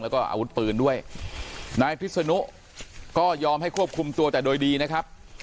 แล้วก็อาวุธปืนด้วยนายพิษนุก็ยอมให้ควบคุมตัวแต่โดยดีนะครับ